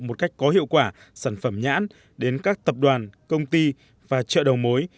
một cách có hiệu quả sản phẩm nhãn đến các tập đoàn công ty và chợ đầu mối